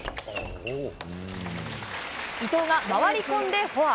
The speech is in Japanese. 伊藤が回り込んでフォア。